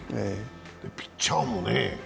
ピッチャーもね。